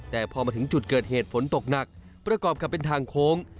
แต่พอมาถึงจุดเกิดเหตุฝนตกหนักประกอบกับเป็นทางโค้ง